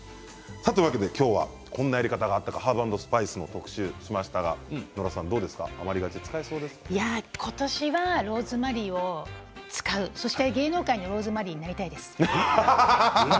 今日は、こんなやり方があったかハーブ＆スパイスの特集をしましたが今年はローズマリーを使うそして芸能界のローズマリーになりたいです。